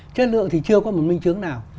chất lượng thì chưa có một minh chứng nào